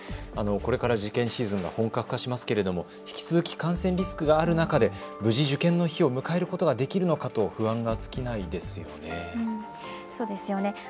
これから受験シーズンが本格化しますけれども引き続き感染リスクがある中で無事、受験の日を迎えることができるのかと不安が尽きないですよね。